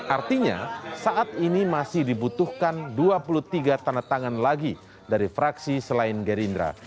artinya saat ini masih dibutuhkan dua puluh tiga tanda tangan lagi dari fraksi selain gerindra